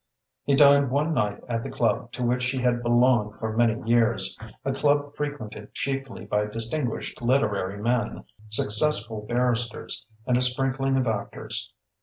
He dined one night at the club to which he had belonged for many years, a club frequented chiefly by distinguished literary men, successful barristers, and a sprinkling of actors.